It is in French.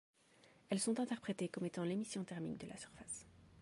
Elles sont interprétées comme étant l'émission thermique de la surface.